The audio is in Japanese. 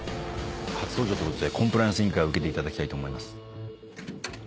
初登場ってことでコンプライアンス委員会受けていただきたいと思います。